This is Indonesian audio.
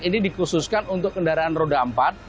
ini dikhususkan untuk kendaraan roda empat